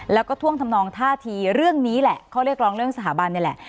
แล้วก็ท่วงทำนองท่าทีเรื่องนี้แหละข้อเรียกร้องเรื่องสถาบันนี่แหละ